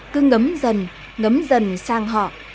cứ ngấm dần ngấm dần sang họ